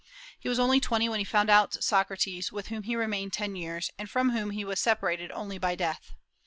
He was only twenty when he found out Socrates, with whom he remained ten years, and from whom he was separated only by death.